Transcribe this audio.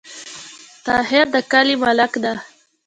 طاهر د کلې ملک ده